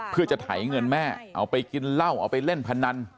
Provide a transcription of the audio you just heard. เพื่อจะไถเงินแม่เอาไปกินเหล้าเอาไปเล่นพนัน